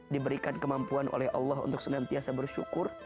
diberikan kemampuan oleh allah untuk senantiasa bersyukur